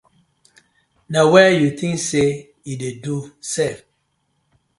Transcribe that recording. Na were yu tins sey yu dey do sef sef.